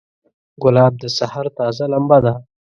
ګلاب د سحر تازه لمبه ده.